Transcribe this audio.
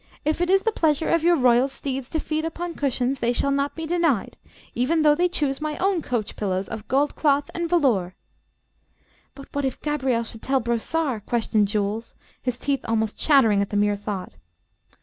If it is the pleasure of your royal steeds to feed upon cushions they shall not be denied, even though they choose my own coach pillows, of gold cloth and velour." "But what if Gabriel should tell Brossard?" questioned Jules, his teeth almost chattering at the mere thought.